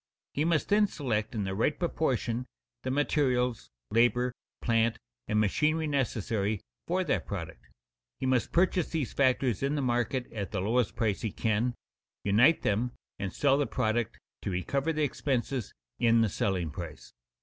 He must then select in the right proportion the materials, labor, plant, and machinery necessary for that product. He must purchase these factors in the market at the lowest price he can, unite them and sell the product to recover the expenses in the selling price.